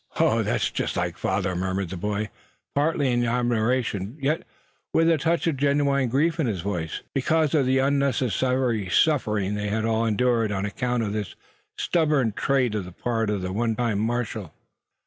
"Oh! that is jest like father," murmured the boy, partly in admiration, yet with a touch of genuine grief in his voice, because of the unnecessary suffering they had all endured on account of this stubborn trait on the part of the one time marshal.